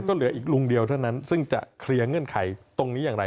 ก็เหลืออีกลุงเดียวเท่านั้นซึ่งจะเคลียร์เงื่อนไขตรงนี้อย่างไร